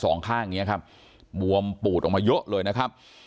สองข้างเนี้ยครับบวมปูดออกมาเยอะเลยนะครับ